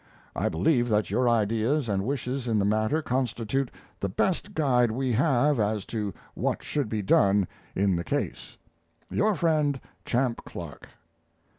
I believe that your ideas and wishes in the matter constitute the best guide we have as to what should be done in the case. Your friend, CHAMP CLARK.